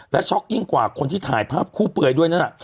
และช็อคยิ่งกว่าคนที่ถ่ายภาพคู่เปรยด้วยนะ